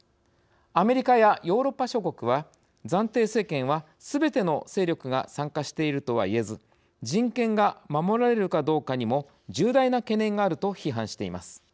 アメリカやヨーロッパ諸国は暫定政権は、すべての勢力が参加しているとはいえず人権が守られるかどうかにも重大な懸念があると批判しています。